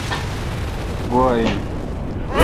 گوا ان۔